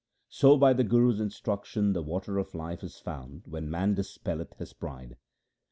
So by the Guru's instruction the water of life is found when man dispelleth his pride.